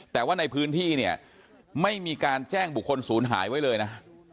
แต่ว่าในพื้นที่เนี่ยไม่มีการแจ้งบุคคลศูนย์หายไว้เลยนะ